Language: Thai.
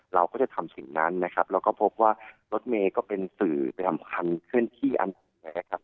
เราก็จะทำสิ่งนั้นนะครับเราก็พบว่ารถเมย์ก็เป็นสื่อประจำคันเคลื่อนที่อันหนึ่งนะครับ